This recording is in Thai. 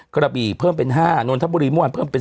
กระบี่เพิ่มเป็น๕นนทบุรีเมื่อวานเพิ่มเป็น